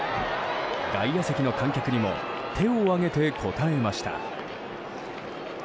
外野席の観客にも手を上げて応えました。